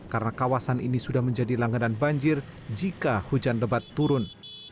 karena kawasan ini sudah menjadi langganan banjir jika hujan lebat turun